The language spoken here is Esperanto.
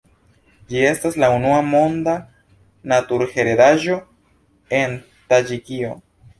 Ĝi estas la unua Monda Naturheredaĵo en Taĝikio.